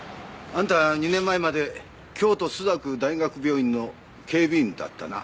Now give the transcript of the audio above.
あんた２年前まで京都朱雀大学病院の警備員だったな？